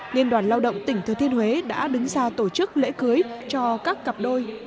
nghiên đoàn lao động tỉnh thừa thuyên huế đã đứng ra tổ chức lễ cưới cho các cặp đôi